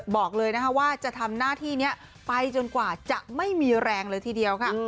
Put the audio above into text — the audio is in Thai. บอกเลยนะคะว่าจะทำหน้าที่นี้ไปจนกว่าจะไม่มีแรงเลยทีเดียวค่ะ